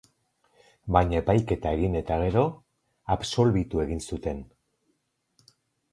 Baina epaiketa egin eta gero, absolbitu egin zuten.